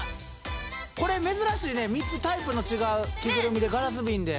これ珍しいね３つタイプの違う着ぐるみでガラスびんで。